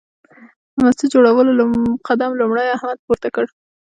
د مسجد جوړولو قدم لومړی احمد پورته کړ.